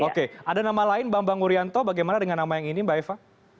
oke ada nama lain bambang urianto bagaimana dengan nama yang ini mbak eva